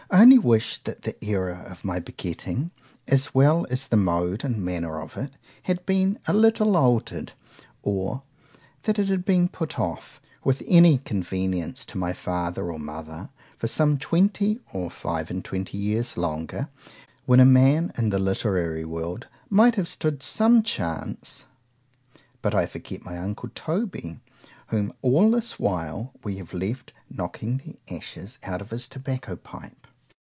I only wish that the æra of my begetting, as well as the mode and manner of it, had been a little alter'd,—or that it could have been put off, with any convenience to my father or mother, for some twenty or five and twenty years longer, when a man in the literary world might have stood some chance.—— But I forget my uncle Toby, whom all this while we have left knocking the ashes out of his tobacco pipe.